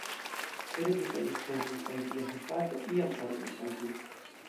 Preĝu kaj esperu, kaj Via hepato iam parolos al Vi.